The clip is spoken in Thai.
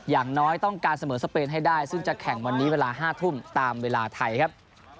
อย่างน้อยต้องการเสมอสเปนให้ได้ซึ่งจะแข่งวันนี้เวลา๕ทุ่มตามเวลาไทยครับ